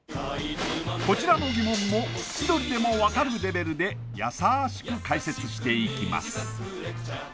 こちらの疑問も千鳥でも分かるレベルでやさしく解説していきます